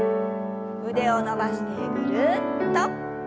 腕を伸ばしてぐるっと。